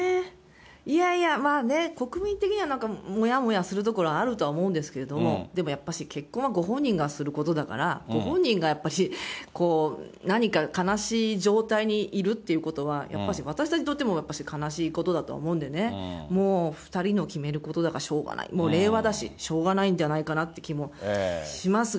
いやいや、まあね、国民的にはなんかもやもやするところはあるとは思うんですけれども、でもやっぱり結婚はご本人がすることだから、ご本人がやっぱし、何か悲しい状態にいるということは、やっぱし、私たちにとってもやっぱし悲しいことだとは思うんでね、もう、２人の決めることだから、しょうがない、もう令和だし、しょうがないんじゃないかなという気もしますが。